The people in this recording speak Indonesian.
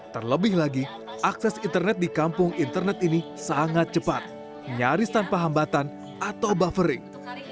terlebih lagi akses internet di kampung internet ini sangat cepat nyaris tanpa hambatan atau buffering